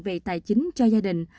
về tài chính cho gia đình